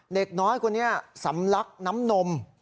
เด็กน้อยคนนี้สำลักน้ำนม